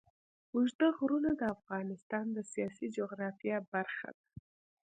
اوږده غرونه د افغانستان د سیاسي جغرافیه برخه ده.